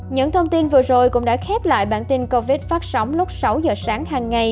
những thông tin vừa rồi cũng đã khép lại bản tin covid phát sóng lúc sáu giờ sáng hàng ngày